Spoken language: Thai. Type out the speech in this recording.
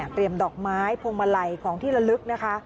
เตรียมดอกไม้พวงมาลัยของที่ละลึก